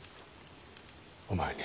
お前に。